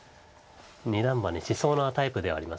二段バネしそうなタイプではありますよね。